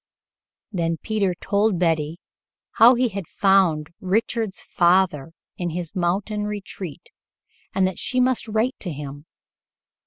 Then Peter told Betty how he had found Richard's father in his mountain retreat and that she must write to him.